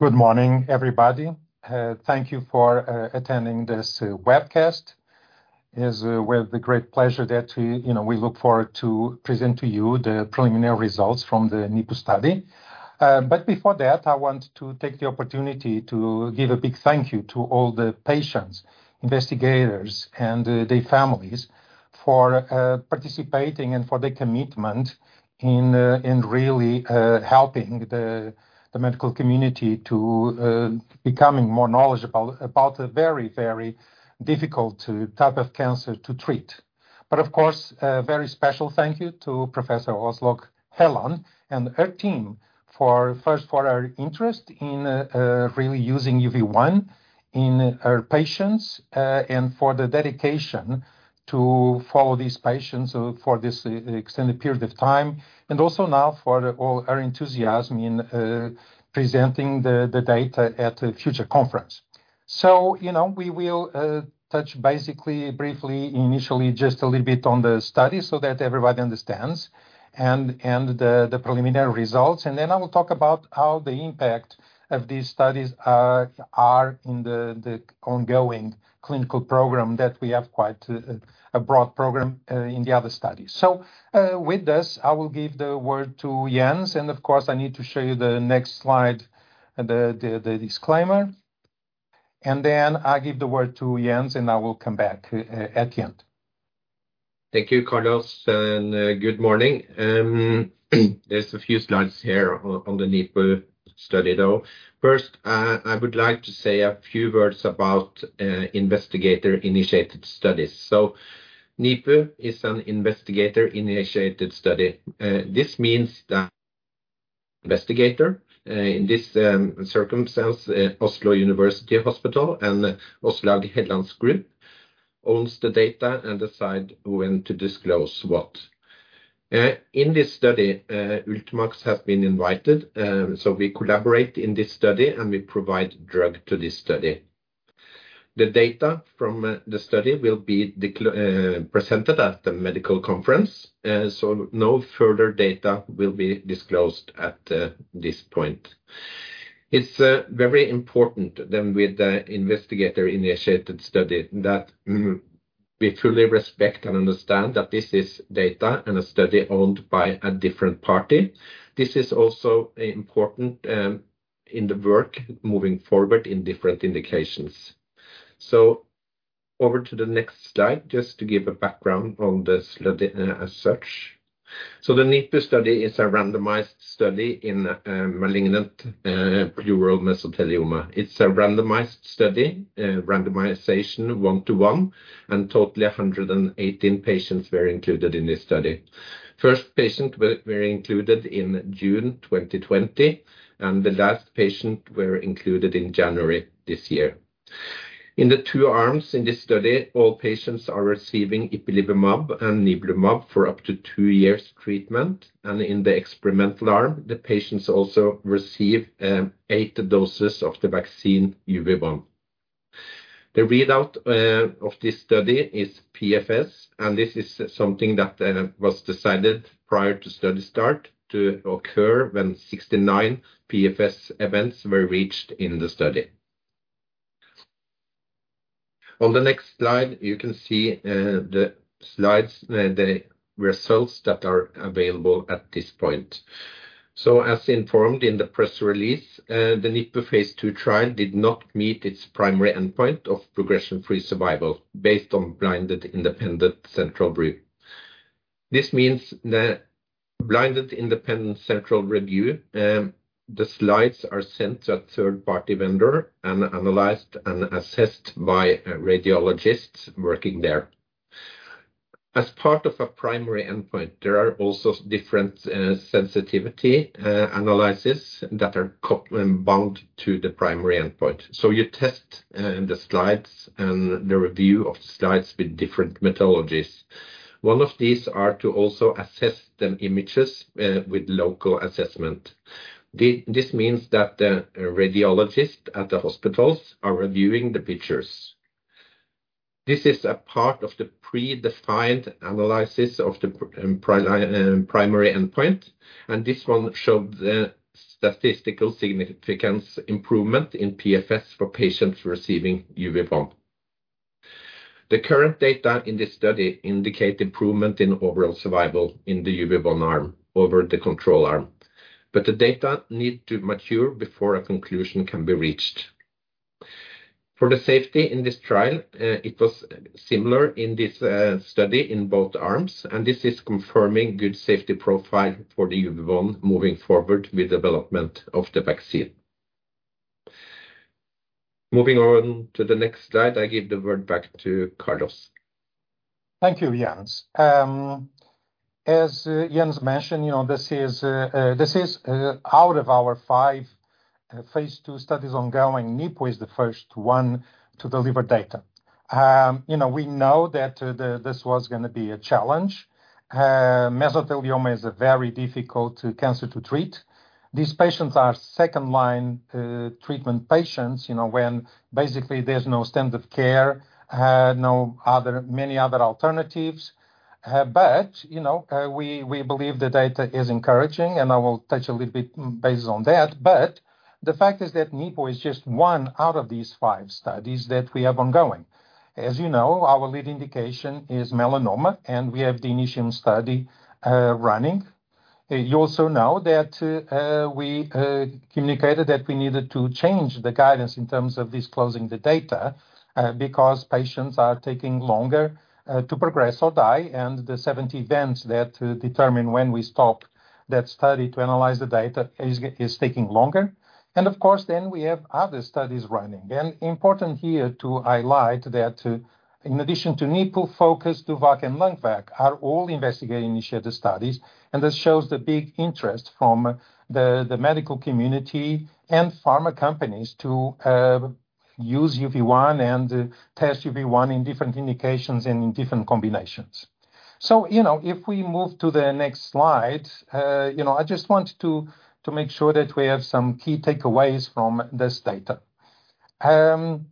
Good morning, everybody. Thank you for attending this webcast. Is with the great pleasure that we, you know, we look forward to present to you the preliminary results from the NIPU study. Before that, I want to take the opportunity to give a big thank you to all the patients, investigators, and their families for participating and for their commitment in really helping the medical community to becoming more knowledgeable about a very, very difficult type of cancer to treat. Of course, a very special thank you to Professor Åslaug Helland and her team for, first, for their interest in, really using UV1 in her patients, and for the dedication to follow these patients for this, extended period of time, and also now for all her enthusiasm in, presenting the data at a future conference. You know, we will, touch basically, briefly, initially, just a little bit on the study so that everybody understands and the preliminary results. Then I will talk about how the impact of these studies are in the ongoing clinical program, that we have quite a broad program, in the other studies. With this, I will give the word to Jens, and of course, I need to show you the next slide, the disclaimer, and then I give the word to Jens, and I will come back at the end. Thank you, Carlos, and good morning. There's a few slides here on the NIPU study, though. First, I would like to say a few words about investigator-initiated studies. NIPU is an investigator-initiated study. This means that investigator, in this circumstance, Oslo University Hospital and Åslaug Helland's group, owns the data and decide when to disclose what. In this study, Ultimovacs has been invited, so we collaborate in this study, and we provide drug to this study. The data from the study will be presented at the medical conference, no further data will be disclosed at this point. It's very important then with the investigator-initiated study, that we fully respect and understand that this is data and a study owned by a different party. This is also important in the work moving forward in different indications. Over to the next slide, just to give a background on the study as such. The NIPU study is a randomized study in malignant pleural mesothelioma. It's a randomized study, randomization one to one, and totally 118 patients were included in this study. First patient were included in June 2020, and the last patient were included in January this year. In the two arms in this study, all patients are receiving ipilimumab and nivolumab for up to two years treatment, and in the experimental arm, the patients also receive eight doses of the vaccine UV1. The readout of this study is PFS, and this is something that was decided prior to study start to occur when 69 PFS events were reached in the study. On the next slide, you can see the slides, the results that are available at this point. As informed in the press release, the NIPU phase II trial did not meet its primary endpoint of progression-free survival based on blinded, independent central review. This means the blinded, independent, central review, the slides are sent to a third-party vendor and analyzed and assessed by radiologists working there. As part of a primary endpoint, there are also different sensitivity analysis that are bound to the primary endpoint. You test the slides and the review of slides with different methodologies. One of these are to also assess the images with local assessment. This means that the radiologist at the hospitals are reviewing the pictures. This is a part of the predefined analysis of the primary endpoint. This one showed a statistical significance improvement in PFS for patients receiving UV1. The current data in this study indicate improvement in overall survival in the UV1 arm over the control arm. The data need to mature before a conclusion can be reached. For the safety in this trial, it was similar in this study in both arms. This is confirming good safety profile for the UV1 moving forward with development of the vaccine. Moving on to the next slide, I give the word back to Carlos. Thank you, Jens. As Jens mentioned, you know, this is out of our five phase II studies ongoing, NIPU is the first one to deliver data. You know, we know that this was gonna be a challenge. Mesothelioma is a very difficult cancer to treat. These patients are second-line treatment patients, you know, when basically there's no standard care, many other alternatives. You know, we believe the data is encouraging, and I will touch a little bit based on that. The fact is that NIPU is just one out of these five studies that we have ongoing. As you know, our lead indication is melanoma, and we have the INITIUM study running. You also know that we communicated that we needed to change the guidance in terms of disclosing the data because patients are taking longer to progress or die, and the 70 events that determine when we stop that study to analyze the data is taking longer. Of course, then we have other studies running. Important here to highlight that, in addition to NIPU, FOCUS, DOVACC and LUNGVAC are all investigating initiative studies, and this shows the big interest from the medical community and pharma companies to use UV1 and test UV1 in different indications and in different combinations. You know, if we move to the next slide, you know, I just want to make sure that we have some key takeaways from this data. This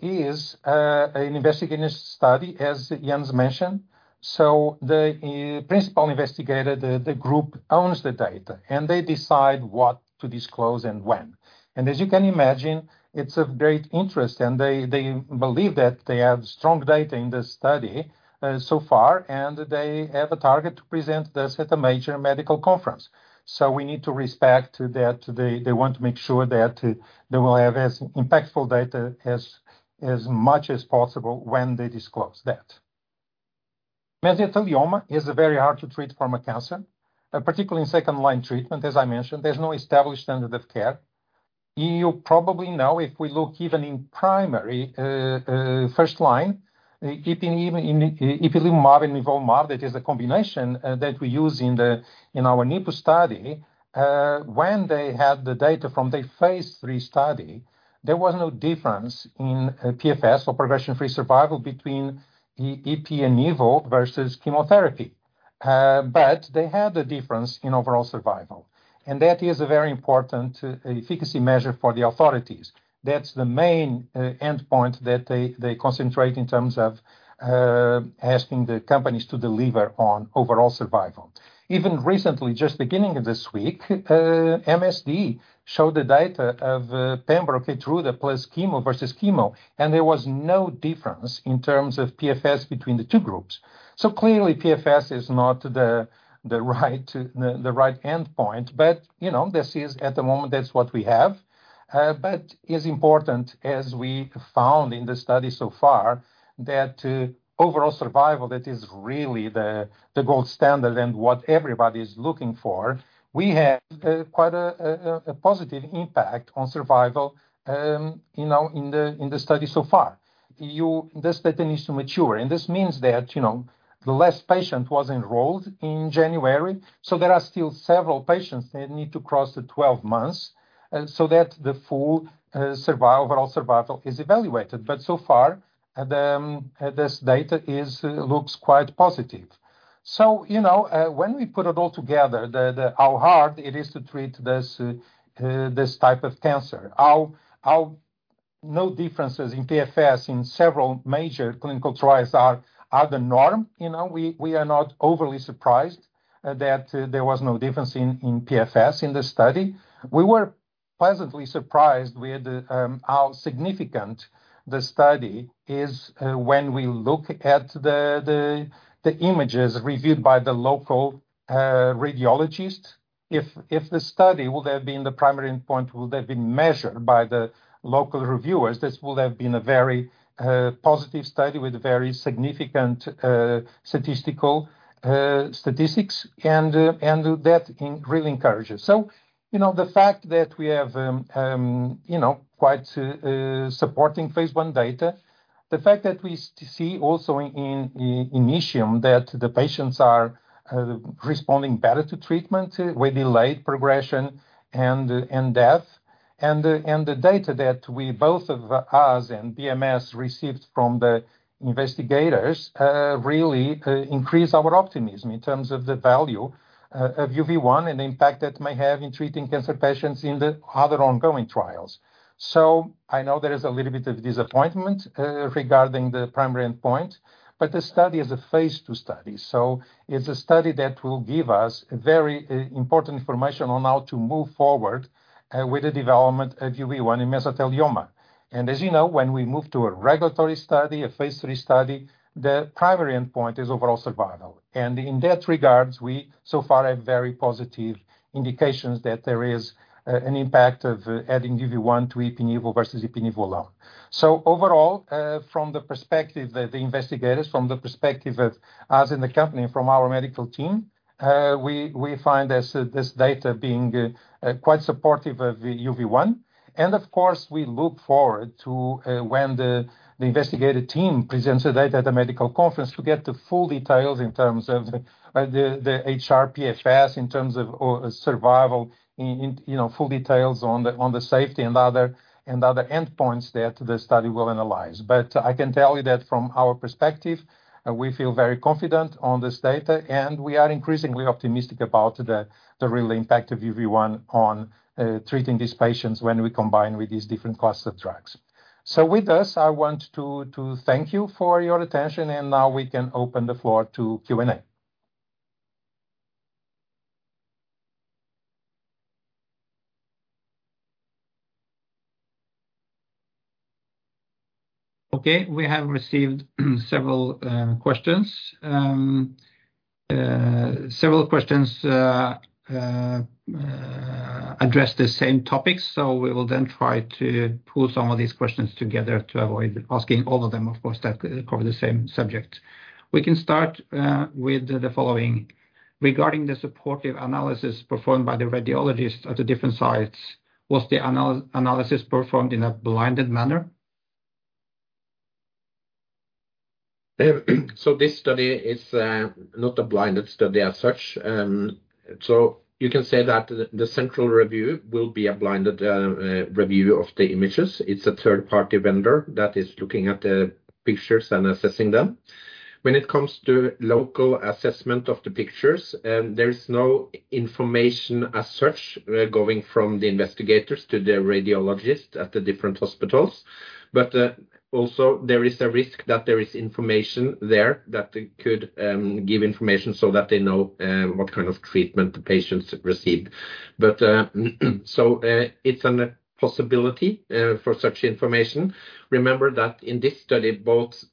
is an investigative study, as Jens mentioned. The principal investigator, the group owns the data, and they decide what to disclose and when. As you can imagine, it's of great interest, and they believe that they have strong data in this study so far, and they have a target to present this at a major medical conference. We need to respect that they want to make sure that they will have as impactful data as much as possible when they disclose that. Mesothelioma is a very hard to treat form of cancer, particularly in second-line treatment. As I mentioned, there's no established standard of care. You probably know if we look even in primary first line, keeping even in ipilimumab and nivolumab, that is a combination that we use in our NIPU study. When they had the data from the phase III study, there was no difference in PFS or progression-free survival between the IPI-NIVO versus chemotherapy. They had a difference in overall survival, and that is a very important efficacy measure for the authorities. That's the main endpoint that they concentrate in terms of asking the companies to deliver on overall survival. Even recently, just beginning of this week, MSD showed the data of pembrolizumab plus chemo versus chemo, and there was no difference in terms of PFS between the two groups. Clearly, PFS is not the right endpoint, but, you know, this is at the moment, that's what we have. It's important, as we found in the study so far, that overall survival, that is really the gold standard and what everybody is looking for. We had quite a positive impact on survival, you know, in the study so far. This data needs to mature, and this means that, you know, the last patient was enrolled in January, so there are still several patients that need to cross the 12 months, so that the full survival, overall survival is evaluated. So far, this data looks quite positive. You know, when we put it all together, how hard it is to treat this type of cancer, how no differences in PFS in several major clinical trials are the norm. You know, we are not overly surprised that there was no difference in PFS in the study. We were pleasantly surprised with how significant the study is when we look at the images reviewed by the local radiologist. If the study would have been the primary endpoint, would have been measured by the local reviewers, this would have been a very positive study with very significant statistical statistics, and that in really encourages. You know, the fact that we have, you know, quite supporting phase I data, the fact that we see also in INITIUM, that the patients are responding better to treatment with delayed progression and death. The data that we both of us and BMS received from the investigators, really increase our optimism in terms of the value of UV1 and the impact that may have in treating cancer patients in the other ongoing trials. I know there is a little bit of disappointment regarding the primary endpoint, but the study is a phase II study, so it's a study that will give us very important information on how to move forward with the development of UV1 in mesothelioma. As you know, when we move to a regulatory study, a phase III study, the primary endpoint is overall survival. In that regards, we so far have very positive indications that there is an impact of adding UV1 to IPI-NIVO versus IPI-NIVO alone. Overall, from the perspective of the investigators, from the perspective of us in the company and from our medical team, we find this data being quite supportive of UV1. Of course, we look forward to when the investigative team presents the data at a medical conference to get the full details in terms of the HRpfs, in terms of survival, in, you know, full details on the, on the safety and other, and other endpoints that the study will analyze. I can tell you that from our perspective, we feel very confident on this data, and we are increasingly optimistic about the real impact of UV1 on treating these patients when we combine with these different classes of drugs. With this, I want to thank you for your attention, and now we can open the floor to Q&A. We have received several questions. Several questions address the same topics, so we will then try to pull some of these questions together to avoid asking all of them, of course, that cover the same subject. We can start with the following: Regarding the supportive analysis performed by the radiologists at the different sites, was the analysis performed in a blinded manner? This study is not a blinded study as such. You can say that the central review will be a blinded review of the images. It's a third-party vendor that is looking at the pictures and assessing them. When it comes to local assessment of the pictures, there is no information as such going from the investigators to the radiologist at the different hospitals. Also there is a risk that there is information there that could give information so that they know what kind of treatment the patients received. It's a possibility for such information. Remember that in this study, both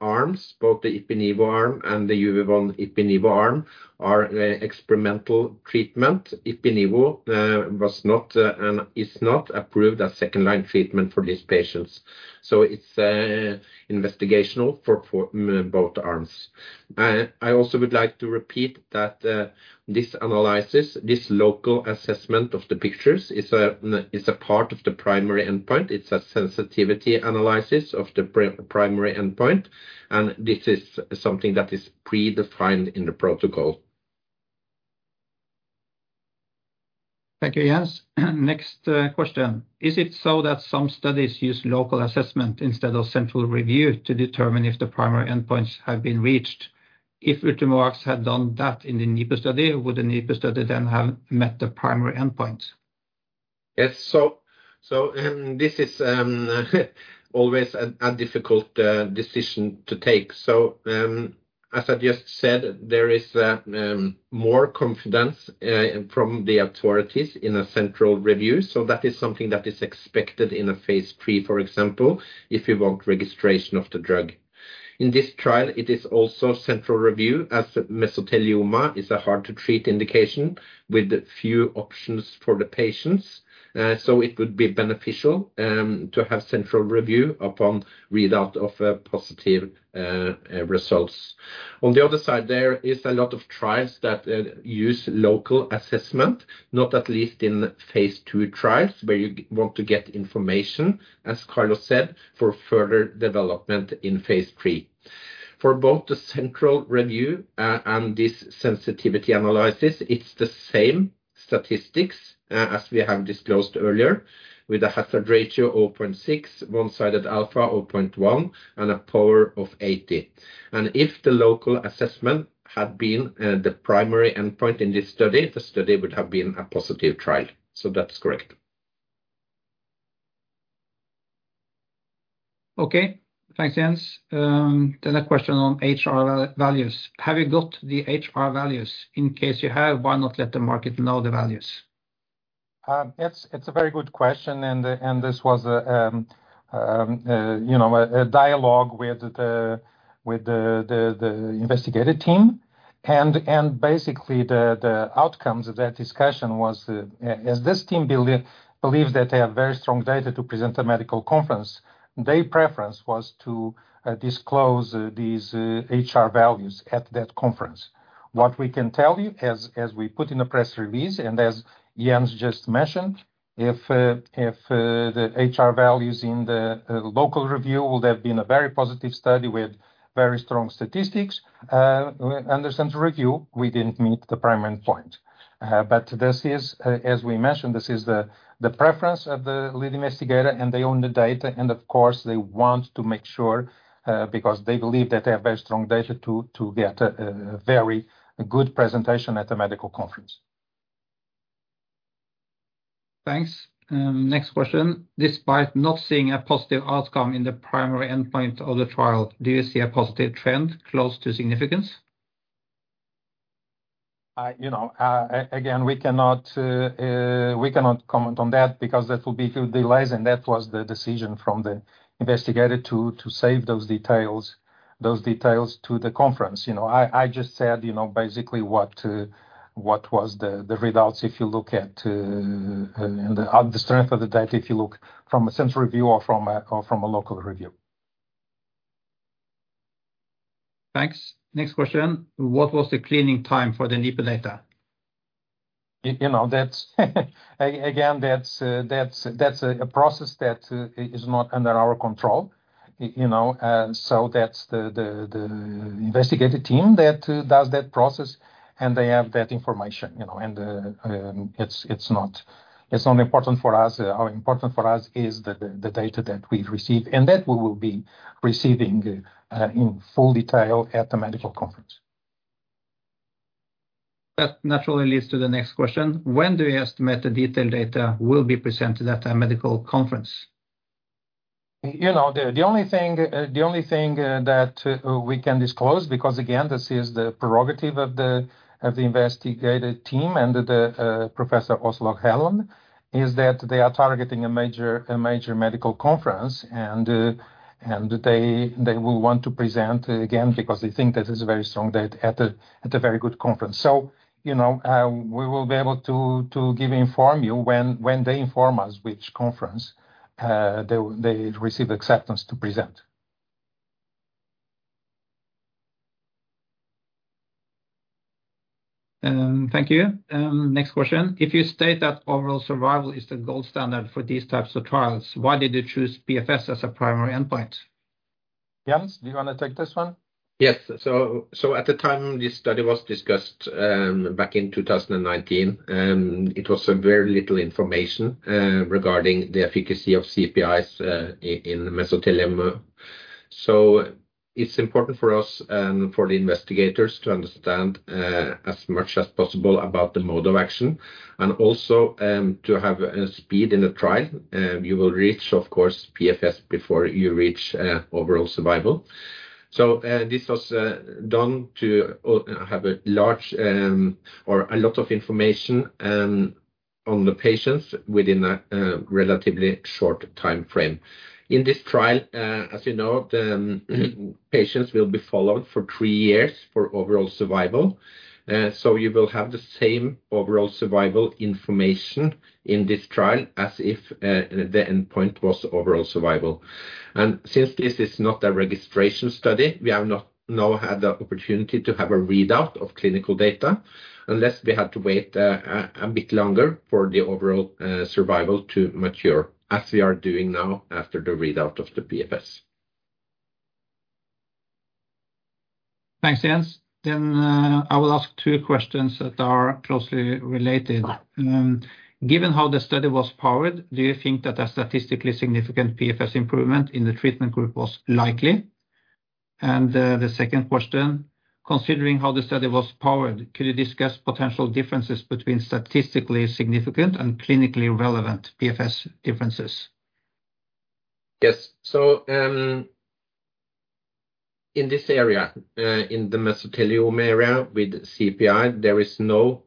arms, both the ipilimumab arm and the nivolumab ipilimumab arm are experimental treatment. ipilimumab was not and is not approved as second-line treatment for these patients. It's investigational for both arms. I also would like to repeat that, this analysis, this local assessment of the pictures is a part of the primary endpoint. It's a sensitivity analysis of the primary endpoint, and this is something that is predefined in the protocol. Thank you, Jens. Next, question: Is it so that some studies use local assessment instead of central review to determine if the primary endpoints have been reached? If Retrophin had done that in the NIPU study, would the NIPU study then have met the primary endpoint? Yes. This is always a difficult decision to take. As I just said, there is more confidence from the authorities in a central review, so that is something that is expected in a phase III, for example, if you want registration of the drug. In this trial, it is also central review, as mesothelioma is a hard-to-treat indication with few options for the patients. It would be beneficial to have central review upon readout of a positive results. On the other side, there is a lot of trials that use local assessment, not at least in phase II trials, where you want to get information, as Carlos said, for further development in phase III. For both the central review, and this sensitivity analysis, it's the same statistics, as we have disclosed earlier, with a hazard ratio of 0.6, one-sided alpha of 0.1, and a power of 80. If the local assessment had been, the primary endpoint in this study, the study would have been a positive trial. That's correct. Okay. Thanks, Jens. The next question on HR values: Have you got the HR values? In case you have, why not let the market know the values? It's a very good question, and this was, you know, a dialogue with the investigator team. Basically, the outcomes of that discussion was as this team believes that they have very strong data to present a medical conference, their preference was to disclose these HR values at that conference. What we can tell you, as we put in a press release, and as Jens just mentioned, if the HR values in the local review would have been a very positive study with very strong statistics, under central review, we didn't meet the primary endpoint. This is, as we mentioned, this is the preference of the lead investigator, and they own the data. Of course, they want to make sure, because they believe that they have very strong data to get a very good presentation at the medical conference. Thanks. next question: Despite not seeing a positive outcome in the primary endpoint of the trial, do you see a positive trend close to significance? You know, again, we cannot comment on that because that would be through the lies. That was the decision from the investigator to save those details to the conference. You know, I just said, you know, basically what was the results if you look at the strength of the data, if you look from a central review or from a local review. Thanks. Next question: What was the cleaning time for the NIPU data? you know, that's again, that's a process that is not under our control. you know, so that's the investigator team that does that process, and they have that information, you know, and it's not important for us. How important for us is the data that we've received, and that we will be receiving in full detail at the medical conference. That naturally leads to the next question: When do you estimate the detailed data will be presented at a medical conference? You know, the only thing, that, we can disclose, because, again, this is the prerogative of the investigative team and Professor Åslaug Helland, is that they are targeting a major medical conference, and they will want to present again, because they think that is a very strong data at a very good conference. You know, we will be able to give inform you when they inform us which conference, they receive acceptance to present. Thank you. Next question: If you state that overall survival is the gold standard for these types of trials, why did you choose PFS as a primary endpoint? Jens, do you want to take this one? Yes. At the time this study was discussed, back in 2019, it was a very little information regarding the efficacy of CPIs in mesothelioma. It's important for us and for the investigators to understand as much as possible about the mode of action and also to have a speed in the trial. You will reach, of course, PFS before you reach overall survival. This was done to have a large or a lot of information on the patients within a relatively short timeframe. In this trial, as you know, the patients will be followed for three years for overall survival. You will have the same overall survival information in this trial as if the endpoint was overall survival. Since this is not a registration study, we have not now had the opportunity to have a readout of clinical data, unless we had to wait a bit longer for the overall survival to mature, as we are doing now after the readout of the PFS. Thanks, Jens. I will ask two questions that are closely related. Given how the study was powered, do you think that a statistically significant PFS improvement in the treatment group was likely? The second question, considering how the study was powered, could you discuss potential differences between statistically significant and clinically relevant PFS differences? Yes. In this area, in the mesothelioma area with CPI, there is no,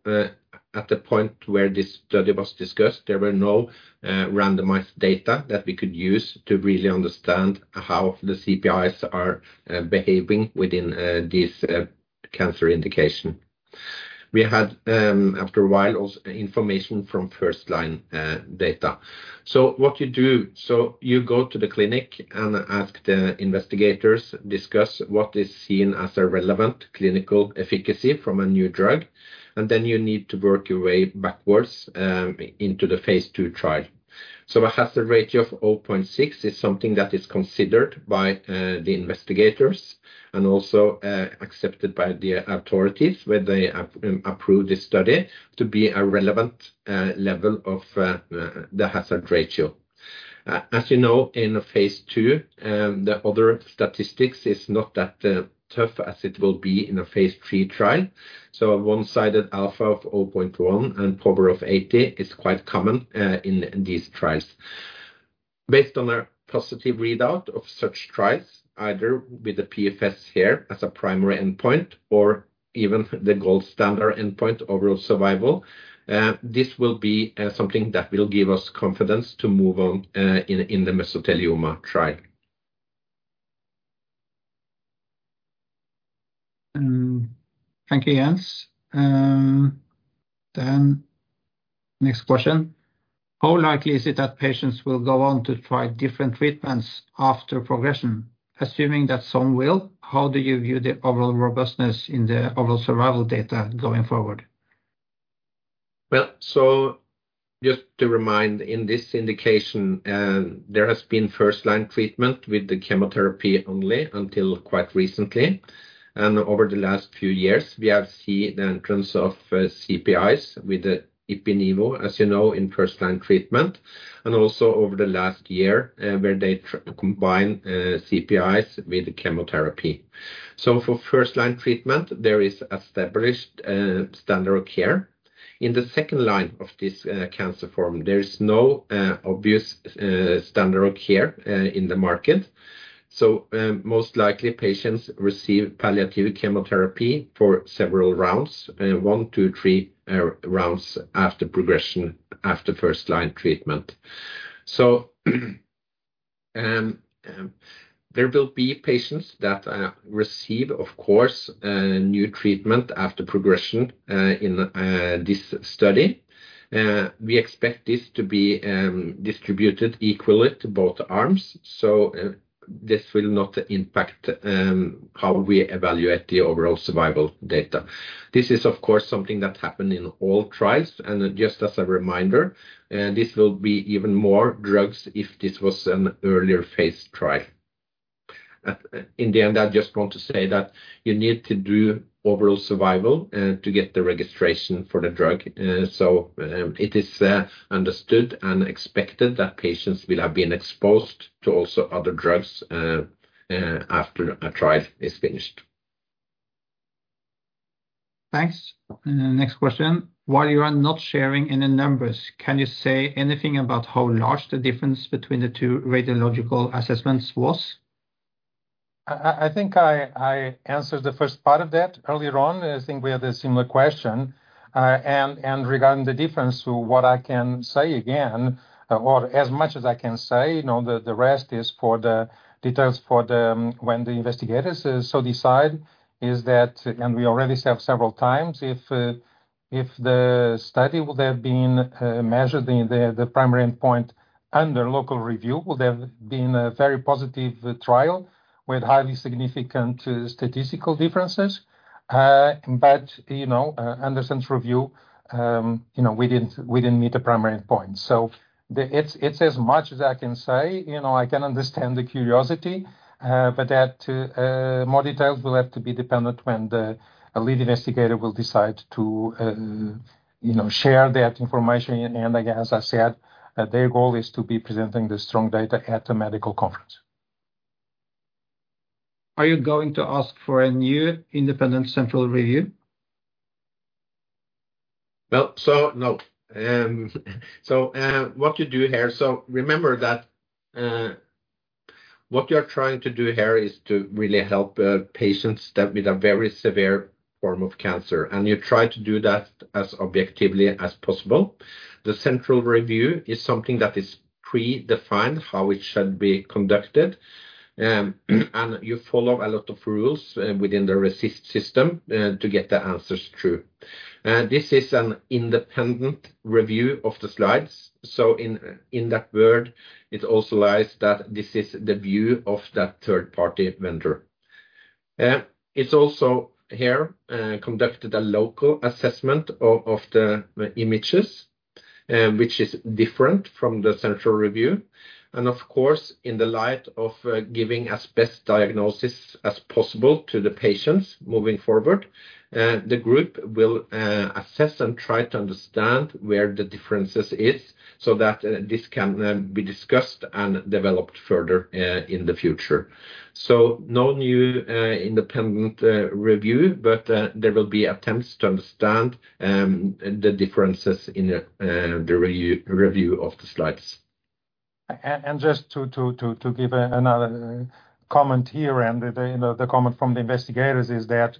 at the point where this study was discussed, there were no randomized data that we could use to really understand how the CPIs are behaving within this cancer indication. We had, after a while, also information from first-line data. What you do, you go to the clinic and ask the investigators, discuss what is seen as a relevant clinical efficacy from a new drug, and then you need to work your way backwards into the phase II trial. A hazard ratio of 0.6 is something that is considered by the investigators and also accepted by the authorities when they approve this study to be a relevant level of the hazard ratio. As you know, in a phase II, the other statistics is not that tough as it will be in a phase III trial. A one-sided alpha of 0.1 and power of 80 is quite common in these trials. Based on a positive readout of such trials, either with the PFS here as a primary endpoint or even the gold standard endpoint, overall survival, this will be something that will give us confidence to move on in the mesothelioma trial. Thank you, Jens. Next question: How likely is it that patients will go on to try different treatments after progression? Assuming that some will, how do you view the overall robustness in the overall survival data going forward? Well, just to remind, in this indication, there has been first-line treatment with the chemotherapy only until quite recently. Over the last few years, we have seen the entrance of CPIs with the ipi-nivo, as you know, in first-line treatment, and also over the last year, where they combine CPIs with chemotherapy. For first-line treatment, there is established standard of care. In the second line of this cancer form, there is no obvious standard of care in the market. Most likely, patients receive palliative chemotherapy for several rounds, 1 to 3 rounds after progression, after first-line treatment. There will be patients that receive, of course, new treatment after progression in this study. We expect this to be distributed equally to both arms, so this will not impact how we evaluate the overall survival data. This is, of course, something that happened in all trials. Just as a reminder, this will be even more drugs if this was an earlier phase trial. In the end, I just want to say that you need to do overall survival to get the registration for the drug. It is understood and expected that patients will have been exposed to also other drugs after a trial is finished. Thanks. Next question, while you are not sharing any numbers, can you say anything about how large the difference between the two radiological assessments was? I think I answered the first part of that earlier on. I think we had a similar question. Regarding the difference, so what I can say again, or as much as I can say, you know, the rest is for the details for the when the investigators so decide, is that. We already said several times, if the study would have been measured in the primary endpoint under local review, would have been a very positive trial with highly significant statistical differences. You know, under central review, you know, we didn't meet the primary endpoint. The it's as much as I can say, you know, I can understand the curiosity, but that more details will have to be dependent when a lead investigator will decide to, you know, share that information. Again, as I said, their goal is to be presenting the strong data at the medical conference. Are you going to ask for a new independent central review? Well, no. What you do here, remember that what you're trying to do here is to really help patients that with a very severe form of cancer, you try to do that as objectively as possible. The central review is something that is predefined, how it should be conducted, you follow a lot of rules within the RECIST system to get the answers true. This is an independent review of the slides. In that word, it also lies that this is the view of that third-party vendor. It's also here conducted a local assessment of the images, which is different from the central review. Of course, in the light of giving as best diagnosis as possible to the patients moving forward, the group will assess and try to understand where the differences is, so that this can be discussed and developed further in the future. No new independent review, but there will be attempts to understand the differences in the review of the slides. Just to give another comment here, you know, the comment from the investigators is that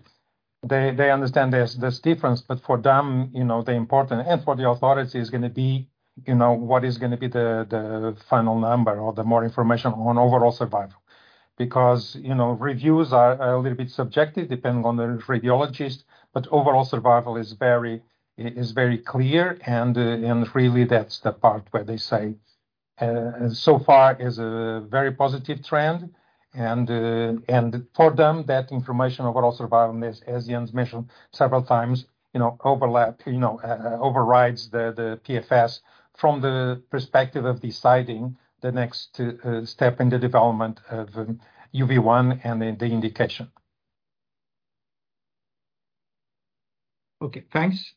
they understand there's difference, but for them, you know, the important and for the authority is gonna be, you know, what is gonna be the final number or the more information on overall survival. Because, you know, reviews are a little bit subjective, depending on the radiologist, but overall survival is very clear, and really that's the part where they say so far is a very positive trend. For them, that information, overall survival, as Jens mentioned several times, you know, overlap, you know, overrides the PFS from the perspective of deciding the next step in the development of UV1 and the indication. Okay, thanks.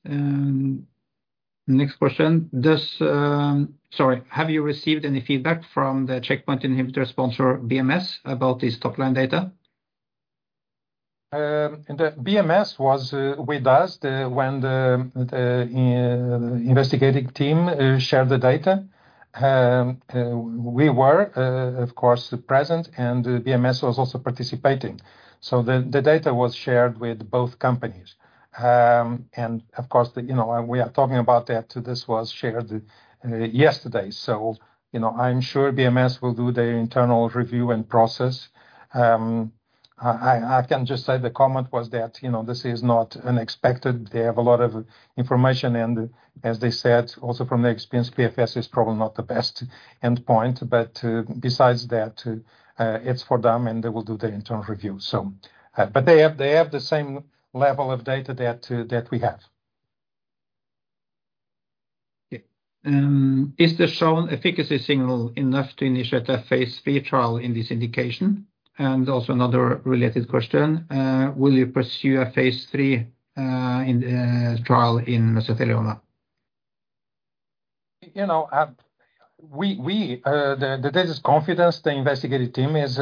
Next question: Sorry, have you received any feedback from the checkpoint inhibitor sponsor, BMS, about this top-line data? The BMS was with us when the investigating team shared the data. We were, of course, present, and the BMS was also participating. The data was shared with both companies. Of course, you know, and we are talking about that, this was shared yesterday. You know, I'm sure BMS will do their internal review and process. I can just say the comment was that, you know, this is not unexpected. They have a lot of information, and as they said, also from the experience, PFS is probably not the best endpoint, but besides that, it's for them, and they will do the internal review. But they have the same level of data that we have. Yeah. Is the shown efficacy signal enough to initiate a phase III trial in this indication? Another related question, will you pursue a phase III in trial in mesothelioma? You know, we, the, there is confidence. The investigative team is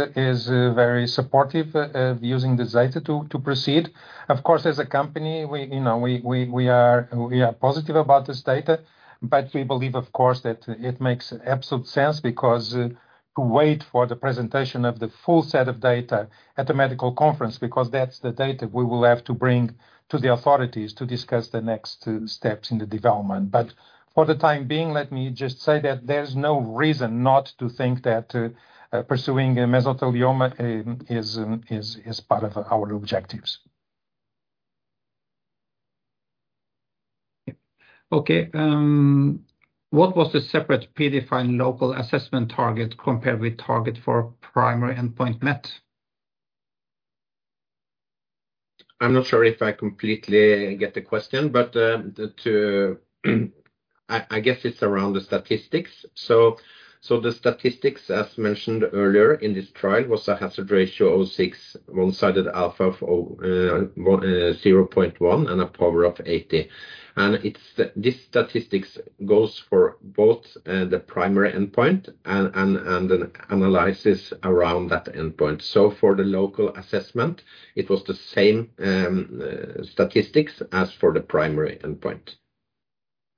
very supportive of using this data to proceed. Of course, as a company, we, you know, we are positive about this data, but we believe, of course, that it makes absolute sense because, to wait for the presentation of the full set of data at the medical conference, because that's the data we will have to bring to the authorities to discuss the next steps in the development. For the time being, let me just say that there's no reason not to think that, pursuing mesothelioma, is part of our objectives. Okay. What was the separate predefined local assessment target compared with target for primary endpoint met? I'm not sure if I completely get the question, I guess it's around the statistics. The statistics, as mentioned earlier in this trial, was a hazard ratio of 6, one-sided alpha of 0.1 and a power of 80. This statistics goes for both the primary endpoint and an analysis around that endpoint. For the local assessment, it was the same statistics as for the primary endpoint.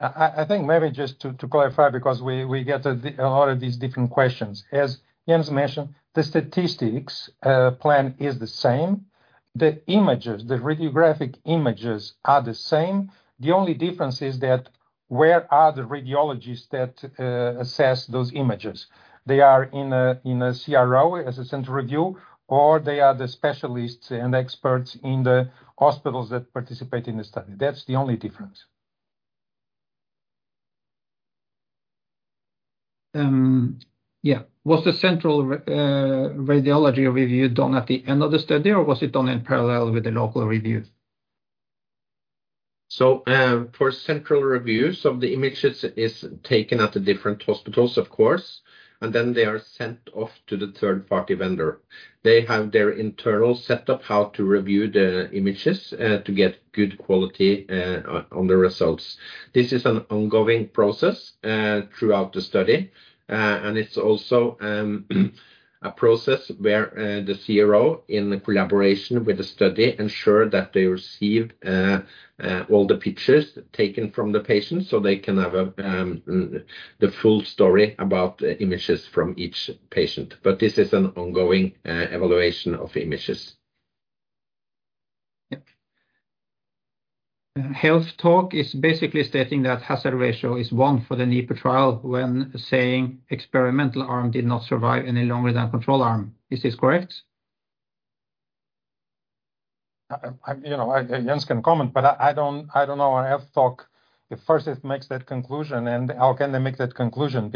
I think maybe just to clarify, because we get a lot of these different questions. As Jens mentioned, the statistics plan is the same. The images, the radiographic images are the same. The only difference is that where are the radiologists that assess those images? They are in a CRO, as a central review, or they are the specialists and experts in the hospitals that participate in the study. That's the only difference. Yeah. Was the central radiology review done at the end of the study, or was it done in parallel with the local review? For central reviews of the images, is taken at the different hospitals, of course, and then they are sent off to the third-party vendor. They have their internal setup, how to review the images, to get good quality on the results. This is an ongoing process throughout the study. It's also a process where the CRO, in collaboration with the study, ensure that they receive all the pictures taken from the patient, so they can have a, the full story about the images from each patient. This is an ongoing evaluation of images. Yep. Health Talk is basically stating that hazard ratio is 1 for the NEPER trial when saying experimental arm did not survive any longer than control arm. Is this correct? You know, Jens can comment, but I don't know. I have thought if first it makes that conclusion. How can they make that conclusion?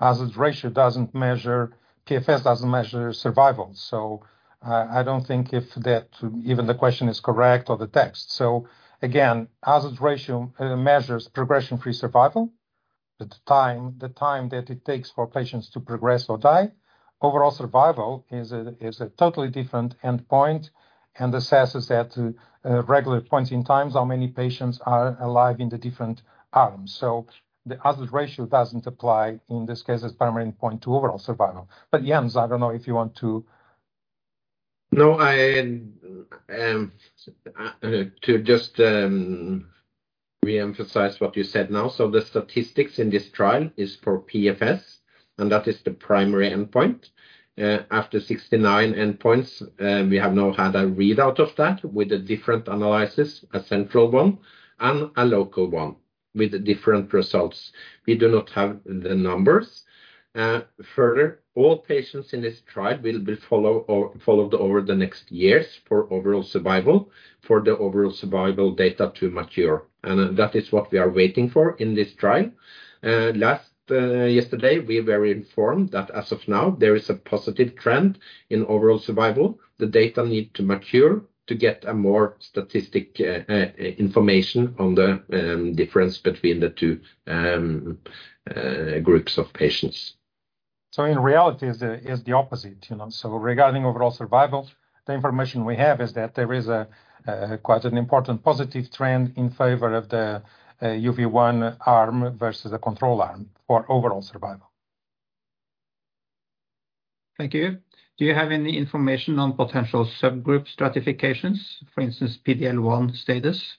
Hazard ratio doesn't measure. PFS doesn't measure survival. I don't think if that even the question is correct or the text. Again, hazard ratio measures progression-free survival, the time that it takes for patients to progress or die. Overall survival is a totally different endpoint and assesses at regular points in times how many patients are alive in the different arms. The hazard ratio doesn't apply in this case as primary endpoint to overall survival. Jens, I don't know if you want to- I to just reemphasize what you said now. The statistics in this trial is for PFS, and that is the primary endpoint. After 69 endpoints, we have now had a readout of that with a different analysis, a central one and a local one, with different results. We do not have the numbers. Further, all patients in this trial will be followed over the next years for overall survival, for the overall survival data to mature, and that is what we are waiting for in this trial. Last, yesterday, we were informed that as of now, there is a positive trend in overall survival. The data need to mature to get a more statistic information on the difference between the 2 groups of patients. In reality, is the opposite, you know. Regarding overall survival, the information we have is that there is a quite an important positive trend in favor of the UV1 arm versus the control arm for overall survival. Thank you. Do you have any information on potential subgroup stratifications, for instance, PD-L1 status?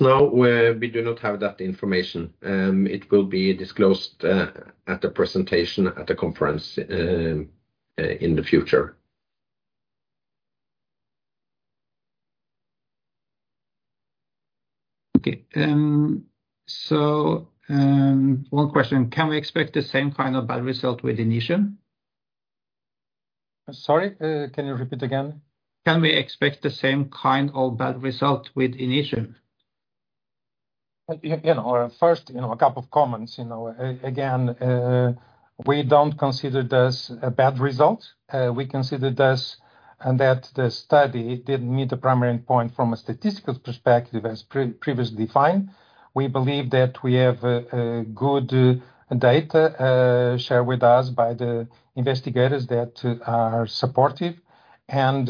Now, we do not have that information. It will be disclosed at the presentation at the conference in the future. Okay. One question: Can we expect the same kind of bad result with INITIUM? Sorry, can you repeat again? Can we expect the same kind of bad result with INITIUM? You know, first, you know, 2 comments. Again, we don't consider this a bad result. We consider this, and that the study did meet the primary endpoint from a statistical perspective, as previously defined. We believe that we have a good data shared with us by the investigators that are supportive. You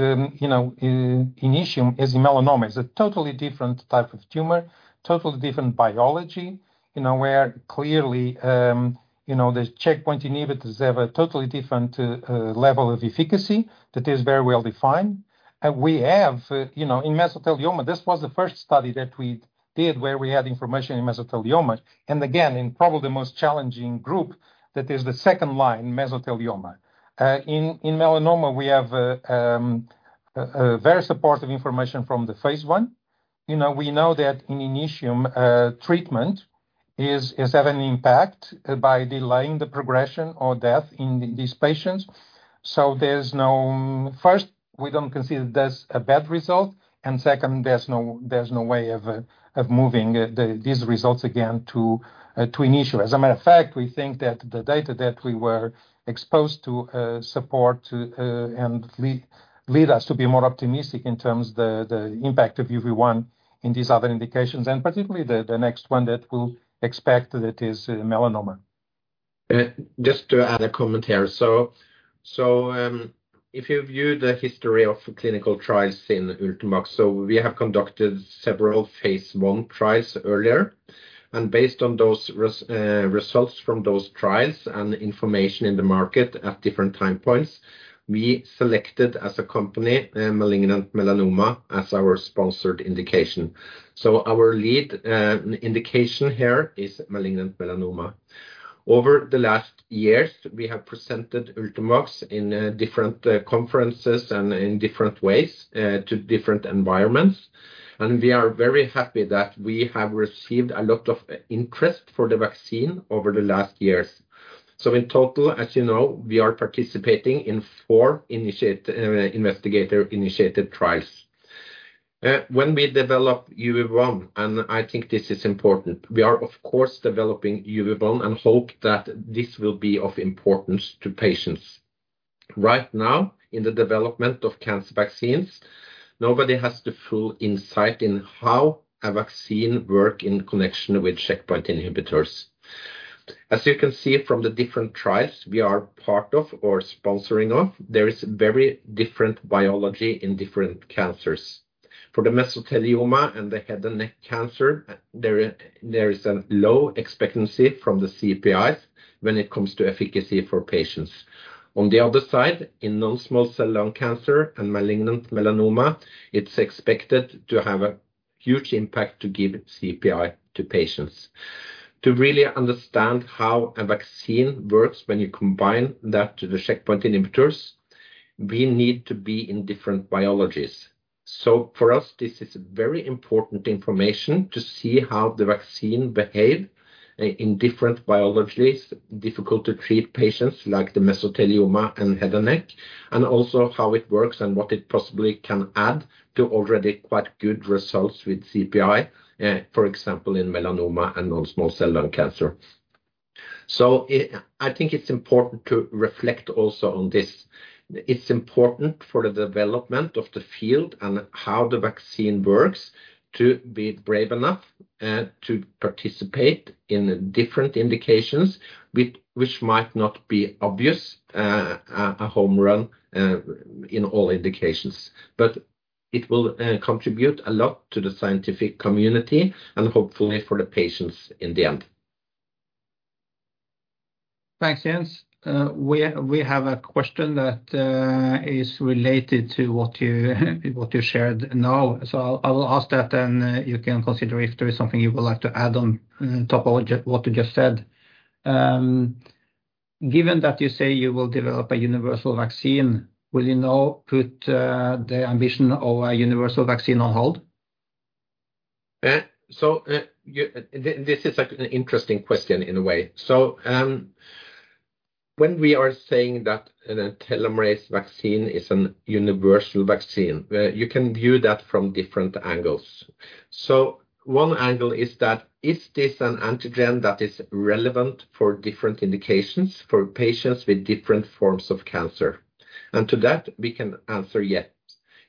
know, INITIUM is in melanoma. It's a totally different type of tumor, totally different biology, you know, where clearly, you know, the checkpoint inhibitors have a totally different level of efficacy that is very well-defined. We have, you know, in mesothelioma, this was the first study that we did where we had information in mesothelioma, and again, in probably the most challenging group, that is the second-line mesothelioma. In melanoma, we have a very supportive information from the phase I. You know, we know that in INITIUM, treatment is having impact by delaying the progression or death in these patients. There's no... First, we don't consider this a bad result. Second, there's no, there's no way of moving these results again to INITIUM. As a matter of fact, we think that the data that we were exposed to, support to, and lead us to be more optimistic in terms the impact of UV1 in these other indications, and particularly the next one that we'll expect that is melanoma. Just to add a comment here. If you view the history of clinical trials in Ultimovacs, we have conducted several phase I trials earlier, and based on those results from those trials and information in the market at different time points, we selected as a company, malignant melanoma as our sponsored indication. Our lead indication here is malignant melanoma. Over the last years, we have presented Ultimovacs in different conferences and in different ways to different environments. We are very happy that we have received a lot of interest for the vaccine over the last years. In total, as you know, we are participating in four investigator-initiated trials. When we develop UV1, and I think this is important, we are of course, developing UV1 and hope that this will be of importance to patients. Right now, in the development of cancer vaccines, nobody has the full insight in how a vaccine work in connection with checkpoint inhibitors. As you can see from the different trials we are part of or sponsoring of, there is very different biology in different cancers. For the mesothelioma and the head and neck cancer, there is a low expectancy from the CPIs when it comes to efficacy for patients. On the other side, in non-small cell lung cancer and malignant melanoma, it's expected to have a huge impact to give CPI to patients. To really understand how a vaccine works when you combine that to the checkpoint inhibitors, we need to be in different biologies. For us, this is very important information to see how the vaccine behave in different biologies, difficult to treat patients like the mesothelioma and head and neck, and also how it works and what it possibly can add to already quite good results with CPI, for example, in melanoma and non-small cell lung cancer. I think it's important to reflect also on this. It's important for the development of the field and how the vaccine works to be brave enough to participate in different indications, which might not be obvious a home run in all indications. It will contribute a lot to the scientific community and hopefully for the patients in the end. Thanks, Jens. We have a question that is related to what you shared now. I will ask that. You can consider if there is something you would like to add on top of what you just said. Given that you say you will develop a universal vaccine, will you now put the ambition of a universal vaccine on hold? This is an interesting question in a way. When we are saying that a telomerase vaccine is an universal vaccine, you can view that from different angles. One angle is that, is this an antigen that is relevant for different indications for patients with different forms of cancer? To that, we can answer yes.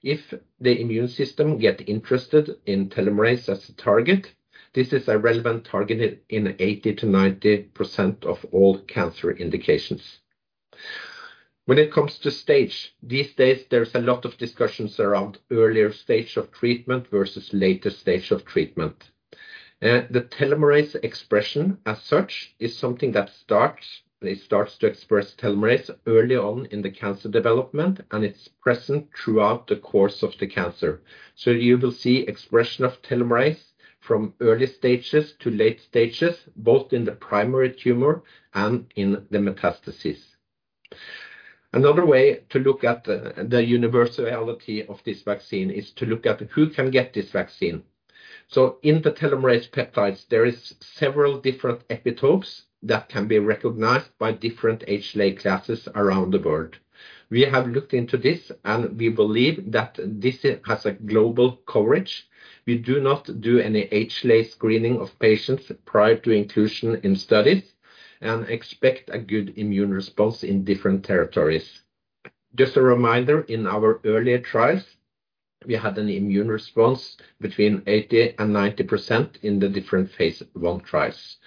If the immune system get interested in telomerase as a target, this is a relevant target in 80%-90% of all cancer indications. When it comes to stage, these days, there's a lot of discussions around earlier stage of treatment versus later stage of treatment. The telomerase expression as such, is something that starts to express telomerase early on in the cancer development, and it's present throughout the course of the cancer. You will see expression of telomerase from early stages to late stages, both in the primary tumor and in the metastasis. Another way to look at the universality of this vaccine is to look at who can get this vaccine. In the telomerase peptides, there is several different epitopes that can be recognized by different HLA classes around the world. We have looked into this, and we believe that this has a global coverage. We do not do any HLA screening of patients prior to inclusion in studies, and expect a good immune response in different territories. Just a reminder, in our earlier trials, we had an immune response between 80% and 90% in the different phase I trials.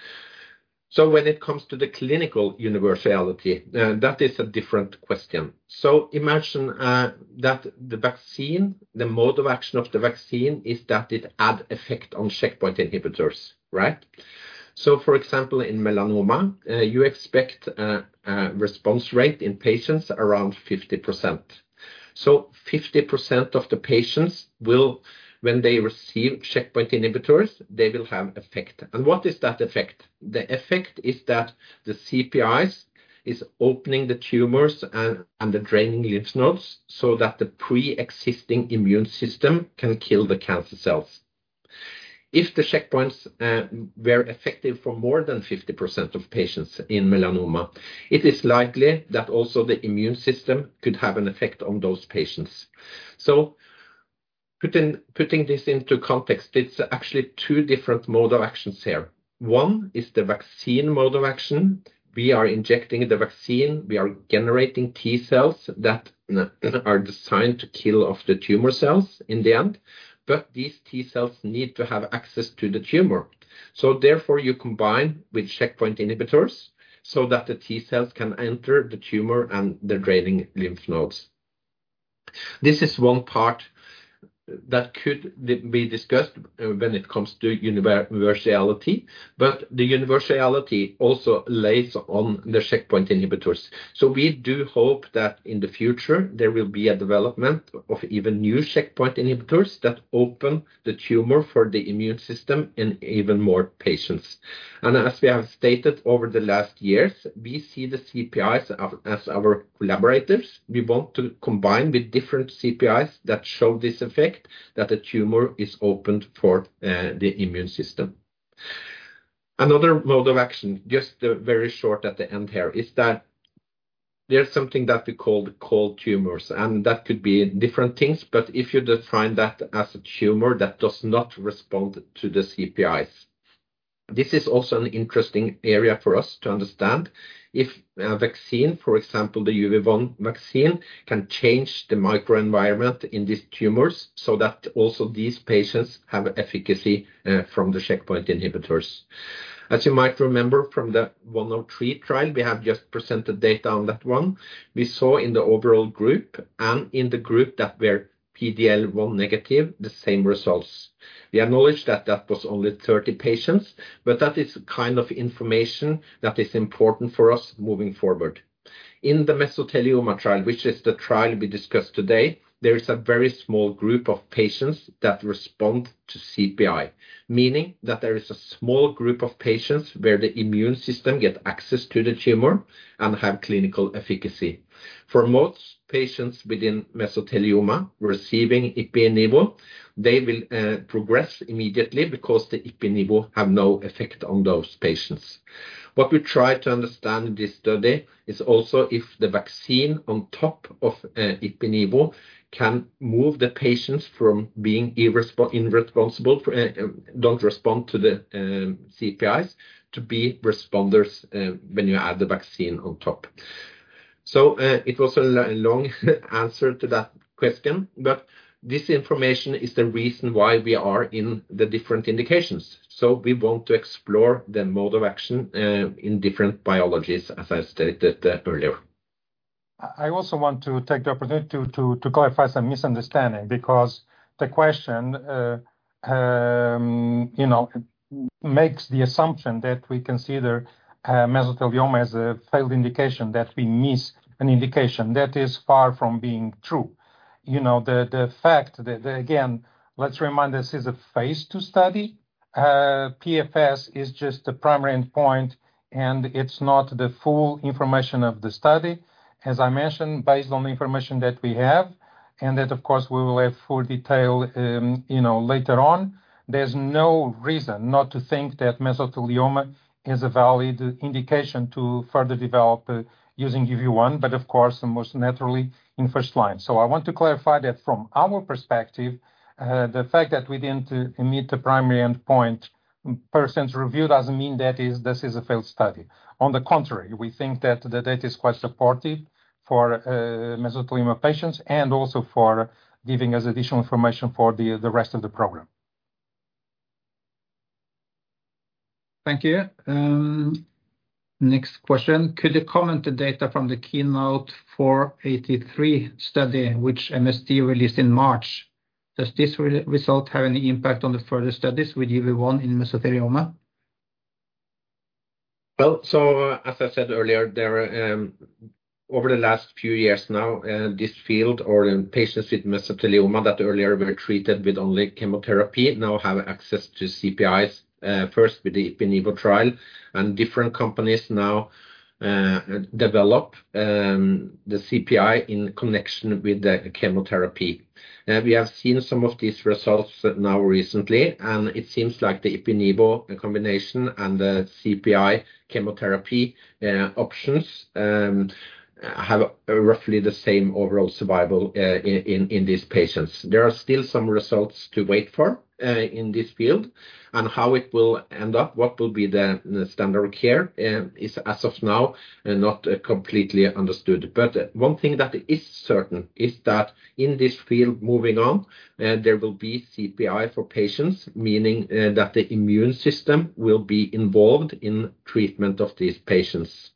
When it comes to the clinical universality, that is a different question. Imagine that the vaccine, the mode of action of the vaccine is that it add effect on checkpoint inhibitors, right? For example, in melanoma, you expect a response rate in patients around 50%. 50% of the patients will, when they receive checkpoint inhibitors, they will have effect. What is that effect? The effect is that the CPIs is opening the tumors and the draining lymph nodes so that the pre-existing immune system can kill the cancer cells. If the checkpoints were effective for more than 50% of patients in melanoma, it is likely that also the immune system could have an effect on those patients. Putting this into context, it's actually two different mode of actions here. One is the vaccine mode of action. We are injecting the vaccine, we are generating T cells that are designed to kill off the tumor cells in the end, but these T cells need to have access to the tumor. Therefore, you combine with checkpoint inhibitors so that the T cells can enter the tumor and the draining lymph nodes. This is one part that could be discussed when it comes to universality, but the universality also lays on the checkpoint inhibitors. We do hope that in the future there will be a development of even new checkpoint inhibitors that open the tumor for the immune system in even more patients. As we have stated over the last years, we see the CPIs as our collaborators. We want to combine with different CPIs that show this effect, that the tumor is opened for the immune system. Another mode of action, just a very short at the end here, is that there's something that we call the cold tumors. That could be different things, but if you define that as a tumor that does not respond to the CPIs. This is also an interesting area for us to understand if a vaccine, for example, the UV1 vaccine, can change the microenvironment in these tumors so that also these patients have efficacy from the checkpoint inhibitors. As you might remember from the 103 trial, we have just presented data on that one. We saw in the overall group and in the group that were PD-L1 negative, the same results. We acknowledge that that was only 30 patients. That is the kind of information that is important for us moving forward. In the mesothelioma trial, which is the trial we discussed today, there is a very small group of patients that respond to CPI, meaning that there is a small group of patients where the immune system get access to the tumor and have clinical efficacy. For most patients within mesothelioma receiving IPI-NIVO, they will progress immediately because the IPI-NIVO have no effect on those patients. What we try to understand in this study is also if the vaccine on top of IPI-NIVO can move the patients from being irresponsible, don't respond to the CPIs to be responders, when you add the vaccine on top. It was a long answer to that question, but this information is the reason why we are in the different indications. We want to explore the mode of action, in different biologies, as I stated, earlier. I also want to take the opportunity to clarify some misunderstanding, because the question, you know, makes the assumption that we consider mesothelioma as a failed indication, that we miss an indication. That is far from being true. You know, the fact that, again, let's remind this is a phase II study. PFS is just the primary endpoint, and it's not the full information of the study. As I mentioned, based on the information that we have, and that, of course, we will have full detail, you know, later on, there's no reason not to think that mesothelioma is a valid indication to further develop, using UV1, but of course, most naturally in first line. I want to clarify that from our perspective, the fact that we didn't meet the primary endpoint percent review doesn't mean that this is a failed study. On the contrary, we think that the data is quite supportive for mesothelioma patients and also for giving us additional information for the rest of the program. Thank you. Next question: Could you comment the data from the KEYNOTE-483 study, which MSD released in March? Does this result have any impact on the further studies with UV1 in mesothelioma? As I said earlier, there are over the last few years now, this field or in patients with mesothelioma that earlier were treated with only chemotherapy, now have access to CPIs, first with the IPI-NIVO trial, and different companies now develop the CPI in connection with the chemotherapy. We have seen some of these results now recently, and it seems like the IPI-NIVO combination and the CPI chemotherapy options have roughly the same overall survival in these patients. There are still some results to wait for in this field and how it will end up, what will be the standard of care, is as of now not completely understood. One thing that is certain is that in this field, moving on, there will be CPI for patients, meaning that the immune system will be involved in treatment of these patients.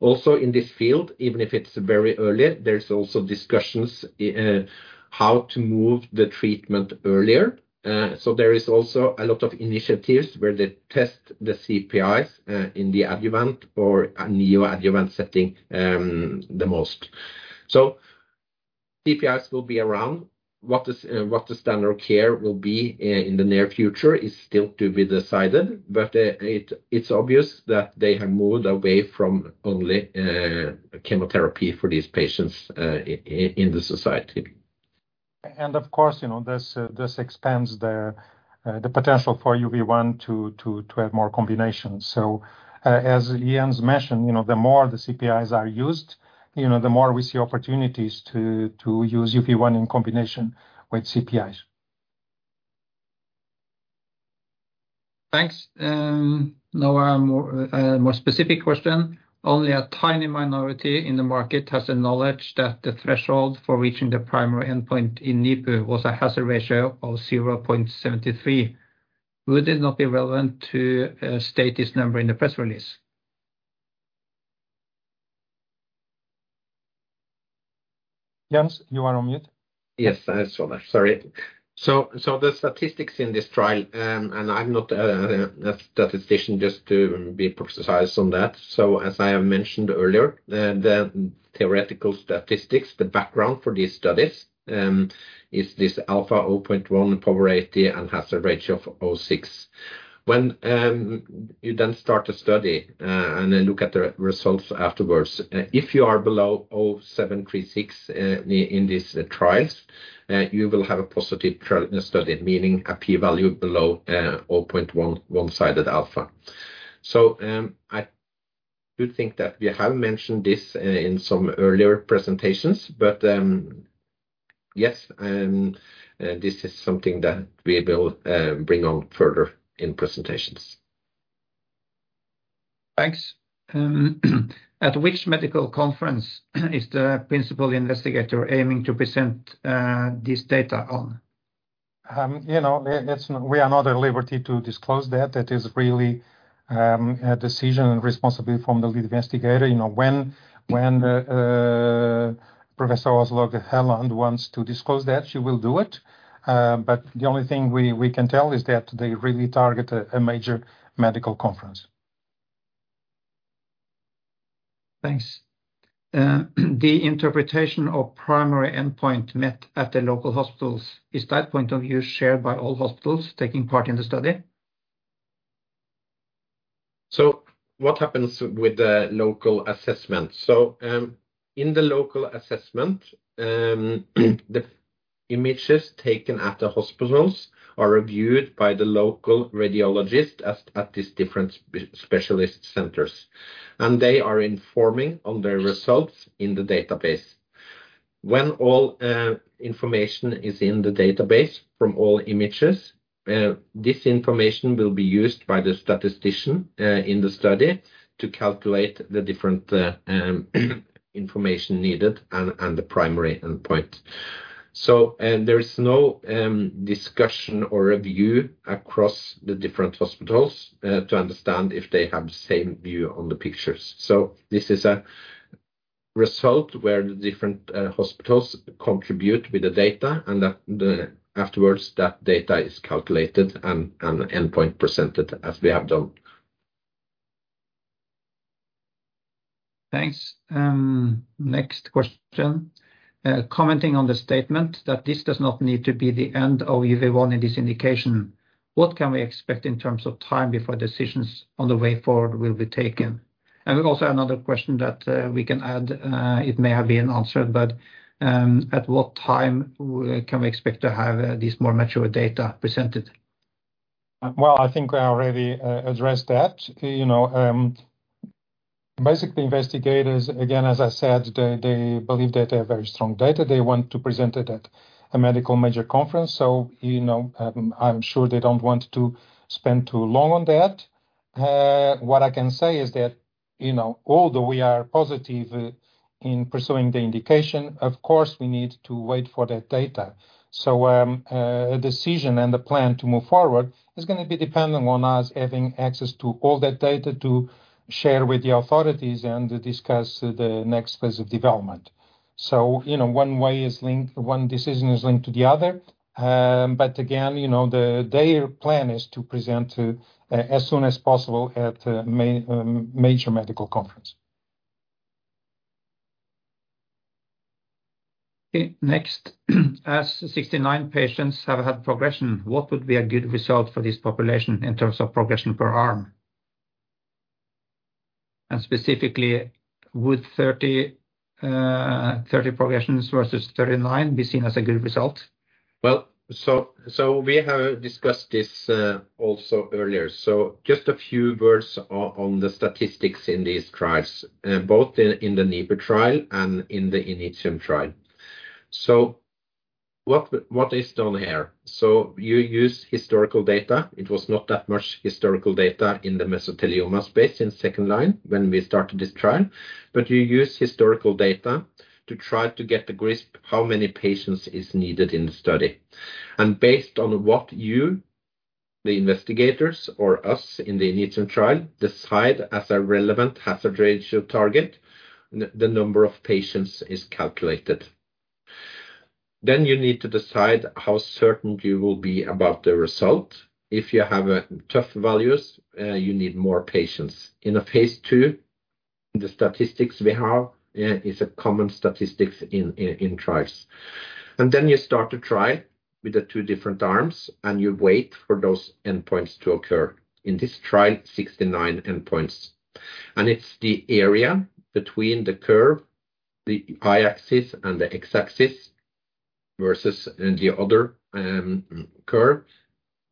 In this field, even if it's very early, there's also discussions how to move the treatment earlier. There is also a lot of initiatives where they test the CPIs in the adjuvant or neoadjuvant setting, the most. CPIs will be around. What the standard of care will be in the near future is still to be decided, but it's obvious that they have moved away from only chemotherapy for these patients in the society. Of course, you know, this expands the potential for UV-1 to have more combinations. As Jens mentioned, you know, the more the CPIs are used, you know, the more we see opportunities to use UV-1 in combination with CPIs. Thanks. A more specific question. Only a tiny minority in the market has acknowledged that the threshold for reaching the primary endpoint in NIPU was a hazard ratio of 0.73. Would it not be relevant to state this number in the press release? Jens, you are on mute. Yes, I saw that. Sorry. The statistics in this trial, and I'm not a statistician, just to be precise on that. As I have mentioned earlier, the theoretical statistics, the background for these studies, is this alpha 0.1 power 80 and hazard ratio of 0.6. When you then start a study, and then look at the results afterwards, if you are below 0.736 in these trials, you will have a positive trial study, meaning a p-value below 0.1 one-sided alpha. I do think that we have mentioned this in some earlier presentations, but yes, this is something that we will bring on further in presentations. Thanks. At which medical conference is the principal investigator aiming to present this data on? You know, we are not at liberty to disclose that. That is really, a decision and responsibility from the lead investigator. You know, when the Professor Åslaug Helland wants to disclose that, she will do it. The only thing we can tell is that they really target a major medical conference. Thanks. The interpretation of primary endpoint met at the local hospitals, is that point of view shared by all hospitals taking part in the study? What happens with the local assessment? In the local assessment, the images taken at the hospitals are reviewed by the local radiologist at these different specialist centers, and they are informing on their results in the database. When all information is in the database from all images, this information will be used by the statistician in the study to calculate the different information needed and the primary endpoint. There is no discussion or review across the different hospitals to understand if they have the same view on the pictures. This is a result where the different hospitals contribute with the data, and afterwards, that data is calculated and endpoint presented, as we have done. Thanks. Next question. Commenting on the statement that this does not need to be the end of UV1 in this indication, what can we expect in terms of time before decisions on the way forward will be taken? Also another question that we can add, it may have been answered, but at what time can we expect to have these more mature data presented? I think we already addressed that. You know, basically, investigators, again, as I said, they believe that they have very strong data. They want to present it at a medical major conference. You know, I'm sure they don't want to spend too long on that. What I can say is that, you know, although we are positive in pursuing the indication, of course, we need to wait for that data. A decision and the plan to move forward is gonna be dependent on us having access to all that data to share with the authorities and discuss the next phase of development. You know, one way is linked, one decision is linked to the other. Again, you know, their plan is to present to as soon as possible at a major medical conference. Okay, next. As 69 patients have had progression, what would be a good result for this population in terms of progression per arm? Specifically, would 30 progressions versus 39 be seen as a good result? Well, we have discussed this also earlier. Just a few words on the statistics in these trials, both in the NIPU trial and in the INITIUM trial. What is done here? You use historical data. It was not that much historical data in the mesothelioma space in second line when we started this trial. You use historical data to try to get a grasp how many patients is needed in the study. Based on what you, the investigators or us in the INITIUM trial, decide as a relevant hazard ratio target, the number of patients is calculated. You need to decide how certain you will be about the result. If you have tough values, you need more patients. In a phase II, the statistics we have, is a common statistics in trials. You start to try with the two different arms, you wait for those endpoints to occur. In this trial, 69 endpoints. It's the area between the curve, the Y-axis and the X-axis, versus in the other curve,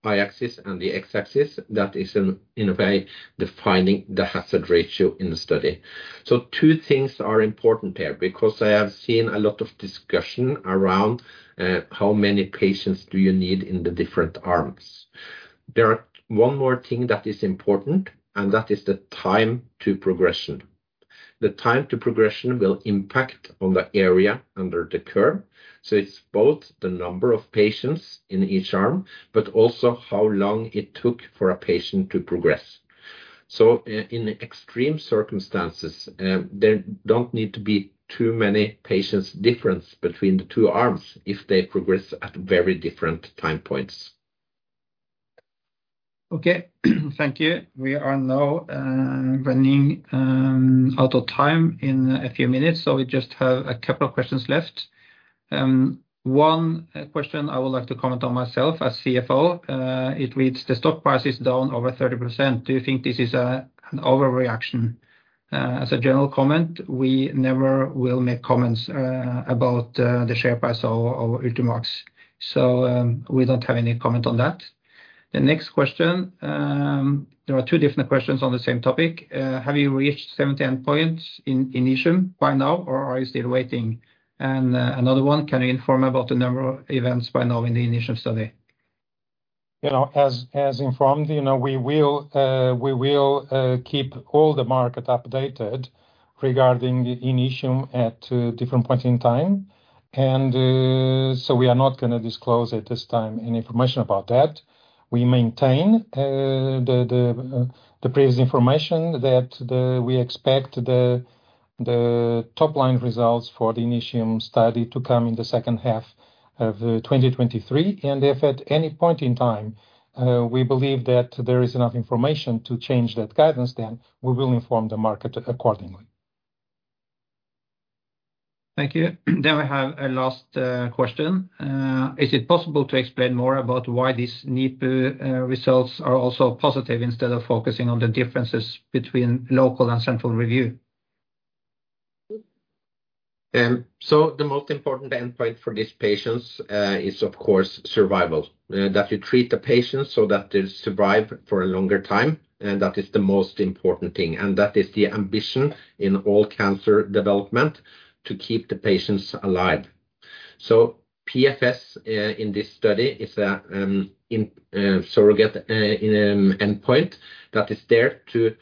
Y-axis and the X-axis. That is in a way, defining the hazard ratio in the study. Two things are important here, because I have seen a lot of discussion around how many patients do you need in the different arms. There are one more thing that is important, and that is the time to progression. The time to progression will impact on the area under the curve, so it's both the number of patients in each arm, but also how long it took for a patient to progress. In extreme circumstances, there don't need to be too many patients difference between the 2 arms if they progress at very different time points. Okay, thank you. We are now running out of time in a few minutes, so we just have a couple of questions left. One question I would like to comment on myself as CFO, it reads: The stock price is down over 30%. Do you think this is an overreaction? As a general comment, we never will make comments about the share price of Ultimovacs. We don't have any comment on that. The next question, there are two different questions on the same topic. Have you reached 70 endpoints in INITIUM by now, or are you still waiting? Another one, can you inform about the number of events by now in the INITIUM study? You know, as informed, you know, we will keep all the market updated regarding the INITIUM at different points in time. We are not going to disclose at this time any information about that. We maintain the previous information that we expect the top line results for the INITIUM study to come in the second half of 2023. If at any point in time, we believe that there is enough information to change that guidance, then we will inform the market accordingly. Thank you. We have a last question. Is it possible to explain more about why these NIPU results are also positive instead of focusing on the differences between local and central review? The most important endpoint for these patients is, of course, survival. That you treat the patients so that they survive for a longer time, and that is the most important thing, and that is the ambition in all cancer development, to keep the patients alive. PFS in this study is a surrogate endpoint that is there to.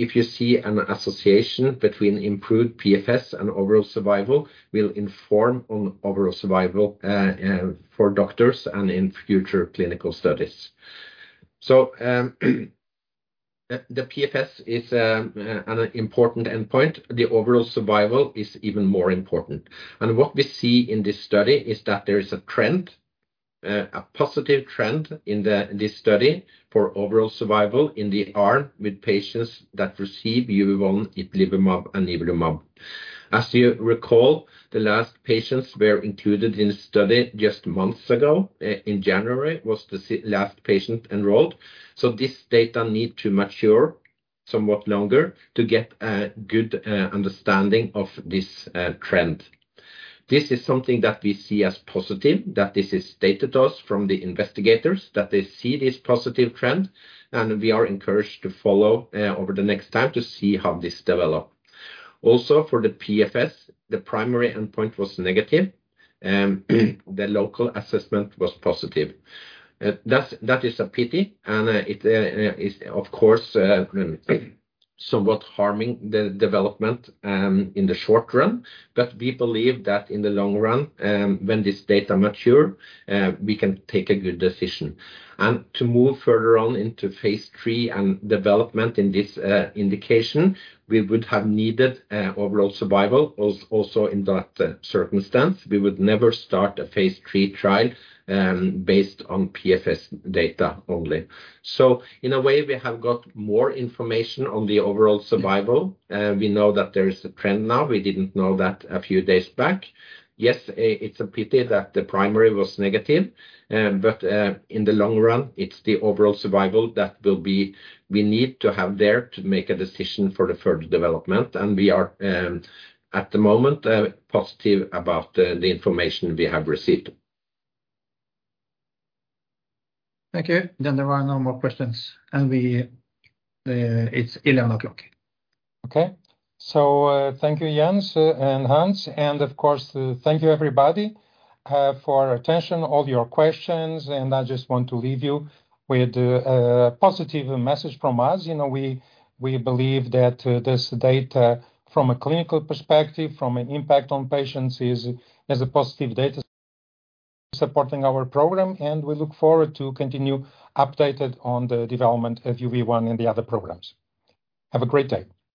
If you see an association between improved PFS and overall survival, we'll inform on overall survival for doctors and in future clinical studies. The PFS is an important endpoint. The overall survival is even more important. What we see in this study is that there is a trend, a positive trend in the this study for overall survival in the arm with patients that receive UV1, ipilimumab, and nivolumab. As you recall, the last patients were included in the study just months ago. In January was the last patient enrolled. This data need to mature somewhat longer to get a good understanding of this trend. This is something that we see as positive, that this is data to us from the investigators, that they see this positive trend, and we are encouraged to follow over the next time to see how this develop. Also, for the PFS, the primary endpoint was negative, the local assessment was positive. That's, that is a pity, and it is, of course, somewhat harming the development in the short run. We believe that in the long run, when this data mature, we can take a good decision. To move further on into phase III and development in this indication, we would have needed overall survival. Also, in that circumstance, we would never start a phase III trial based on PFS data only. In a way, we have got more information on the overall survival. We know that there is a trend now. We didn't know that a few days back. Yes, it's a pity that the primary was negative, but, in the long run, it's the overall survival that we need to have there to make a decision for the further development. We are, at the moment, positive about the information we have received. Thank you. There are no more questions, and we, it's 11:00 A.M. Okay. Thank you, Jens and Hans, of course, thank you, everybody, for your attention, all your questions. I just want to leave you with a positive message from us. You know, we believe that this data from a clinical perspective, from an impact on patients, is a positive data supporting our program, we look forward to continue updated on the development of UV1 and the other programs. Have a great day.